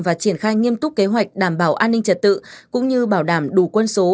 và triển khai nghiêm túc kế hoạch đảm bảo an ninh trật tự cũng như bảo đảm đủ quân số